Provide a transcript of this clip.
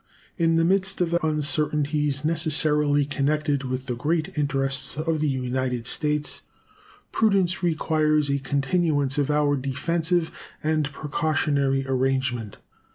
In the midst of uncertainties necessarily connected with the great interests of the United States, prudence requires a continuance of our defensive and precautionary arrangement.